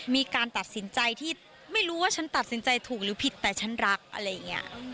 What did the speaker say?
มีการตัดสินใจที่ไม่รู้ว่าฉันตัดสินใจถูกหรือผิดแต่ฉันรักอะไรอย่างนี้